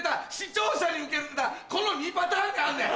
この２パターンがあんねん。